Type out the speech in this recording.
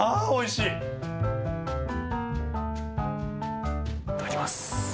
いただきます。